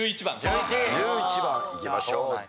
１１番いきましょう。